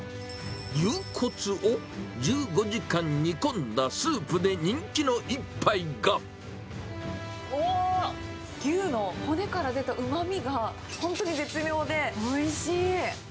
牛骨を１５時間煮込んだスープでおー、牛の骨から出たうまみが本当に絶妙でおいしい！